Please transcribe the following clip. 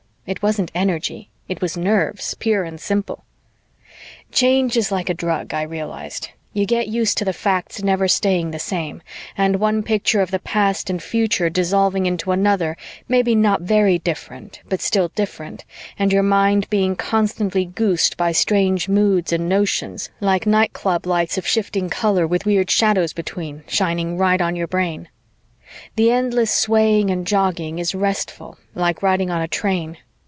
It wasn't energy; it was nerves, pure and simple. Change is like a drug, I realized you get used to the facts never staying the same, and one picture of the past and future dissolving into another maybe not very different but still different, and your mind being constantly goosed by strange moods and notions, like nightclub lights of shifting color with weird shadows between shining right on your brain. The endless swaying and jogging is restful, like riding on a train.